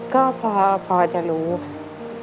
ก็พอจะรู้ค่ะ